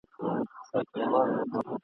زه به ولي هر پرهار ته په سینه کي خوږېدلای !.